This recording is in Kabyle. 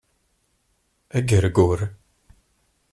Agergur